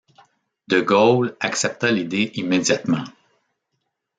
De Gaulle accepta l'idée immédiatement.